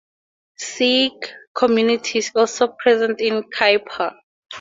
Sikh community is also present in Khairpur.